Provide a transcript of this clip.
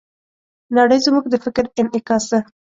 نړۍ زموږ د فکر انعکاس ده.